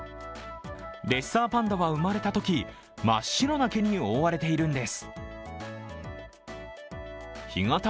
レッサーパンダは生まれたとき、真っ白な毛に覆われているんです。